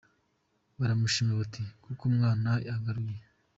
baramushima bati “Koko umwana yagaruye